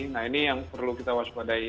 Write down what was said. nah ini yang perlu kita waspadai